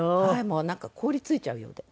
もうなんか凍り付いちゃうようで。